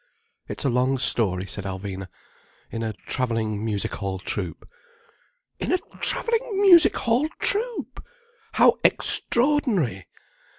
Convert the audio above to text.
"It's a long story," said Alvina. "In a travelling music hall troupe." "In a travelling music hall troupe! How extraordinary!